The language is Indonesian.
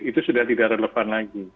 itu sudah tidak relevan lagi